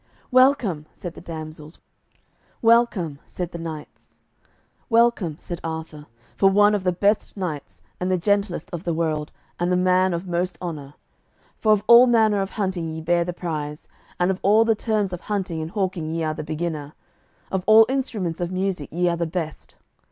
"Welcome," said the damsels; "Welcome," said the knights; "Welcome," said Arthur, "for one of the best knights and the gentlest of the world, and the man of most honour. For of all manner of hunting ye bear the prize; and of all the terms of hunting and hawking ye are the beginner; of all instruments of music ye are the best.